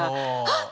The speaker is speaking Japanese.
「あっ！」